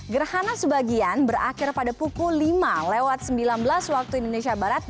gerhana sebagian berakhir pada pukul lima lewat sembilan belas waktu indonesia barat